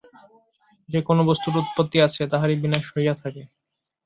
যে-কোন বস্তুর উৎপত্তি আছে, তাহারই বিনাশ হইয়া থাকে।